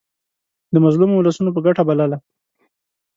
د مظلومو اولسونو په ګټه بلله.